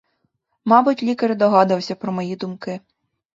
Мабуть, лікар догадувався про мої думки.